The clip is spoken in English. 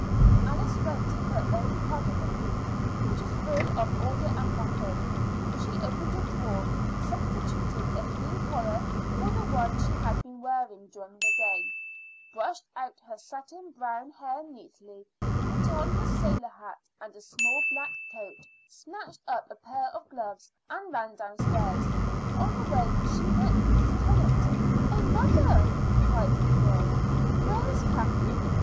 Alice went to her own part of the room, which was full of order and method. She opened a drawer, substituted a clean collar for the one she had been wearing during the day, brushed out her satin brown hair neatly, put on her sailor hat and a small black coat, snatched up a pair of gloves, and ran downstairs. On the way she met Mrs. Tennant. "Oh, mother," cried the girl, "where is Kathleen?